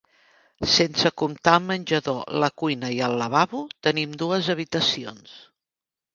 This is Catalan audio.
Sense comptar el menjador, la cuina i el lavabo, tenim dues habitacions.